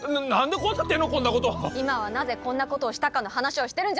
今はなぜこんなことをしたかの話をしてるんじゃない！